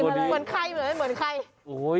เหมือนใคร